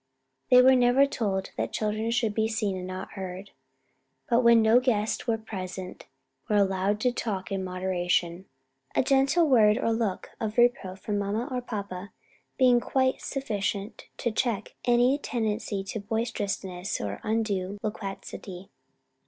They were never told that "children should be seen and not heard," but when no guests were present, were allowed to talk in moderation; a gentle word or look of reproof from papa or mamma being quite sufficient to check any tendency to boisterousness or undue loquacity.